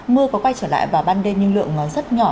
mưa có quay trở lại vào ban đêm nhưng lượng rất nhỏ